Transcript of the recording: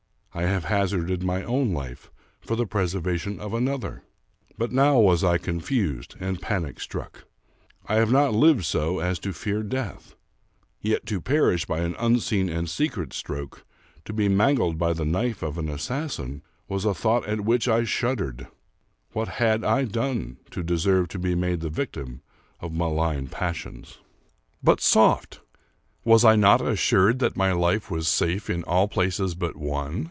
I have hazarded my own life for the preservation of another; but now was I confused and panic struck. I have not lived so as to fear death ; yet to perish by an unseen and secret stroke, to be mangled by the knife of an assassin, was a thought at which I shuddered: what had I done to deserve to be made the victim of malignant passions? 238 Charles Brockdcn Brown But soft! was I not assured that my life was safe in all places but one?